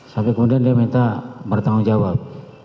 sampai kemudian dia minta bertanggung jawab